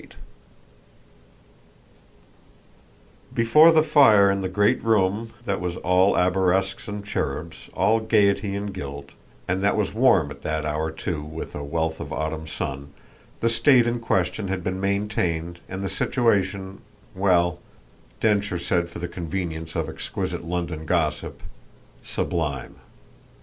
Before the fire in the great room that was all arabesques and cherubs, all gaiety and gilt, and that was warm at that hour too with a wealth of autumn sun, the state in question had been maintained and the situation well, Densher said for the convenience of exquisite London gossip, sublime.